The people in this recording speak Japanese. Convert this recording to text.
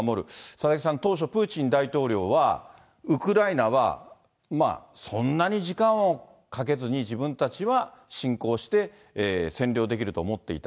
佐々木さん、当初、プーチン大統領はウクライナはそんなに時間をかけずに、自分たちは侵攻して占領できると思っていた。